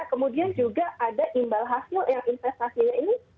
kemudian juga ada imbal hasil yang investasinya ini